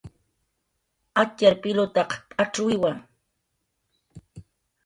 Atxar pilutaq p'acxwiwa